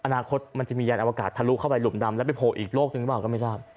อนาคตมันจะมียานอวกาศทะลุเข้าไปหลุมดำแล้วไปโผล่อีกโลกหนึ่งเปล่าก็ไม่ทราบ